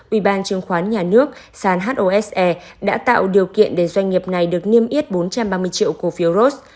ubnd trường khoán nhà nước sàn hose đã tạo điều kiện để doanh nghiệp này được niêm yết bốn trăm ba mươi triệu cổ phiếu ros